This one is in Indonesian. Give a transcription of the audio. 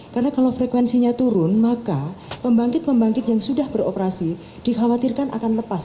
karena kalau frekuensinya turun maka pembangkit pembangkit yang sudah beroperasi dikhawatirkan akan lepas